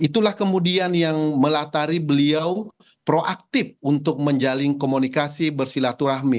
itulah kemudian yang melatari beliau proaktif untuk menjalin komunikasi bersilaturahmi